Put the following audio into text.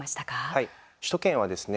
はい、首都圏はですね